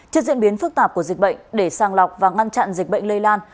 trên diễn biến phức tạp của dịch bệnh để sang lọc và ngăn chặn dịch bệnh lây lan